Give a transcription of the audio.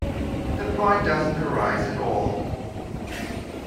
The point doesn't arise at all.